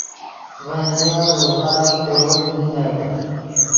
ڤے نیا اورڤآت قوروت نینت